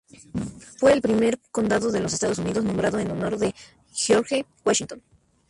Fue el primer condado de los Estados Unidos nombrado en honor de George Washington.